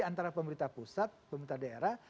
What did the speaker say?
antara pemerintah pusat pemerintah daerah